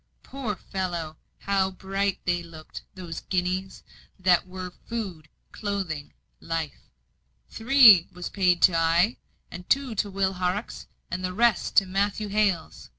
Poor fellow! how bright they looked; those guineas, that were food, clothing, life. "Three was paid to I, two to Will Horrocks, and the rest to Matthew Hales.